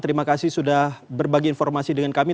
terima kasih sudah berbagi informasi dengan kami